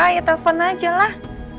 ya telfon aja lah